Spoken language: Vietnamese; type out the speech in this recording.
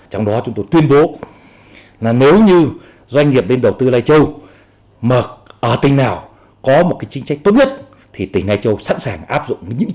trong và ngoài tỉnh